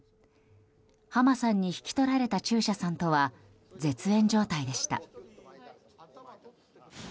浜さんに引き取られた中車さんとは絶縁状態でした。